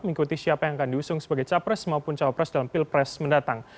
mengikuti siapa yang akan diusung sebagai capres maupun cawapres dalam pilpres mendatang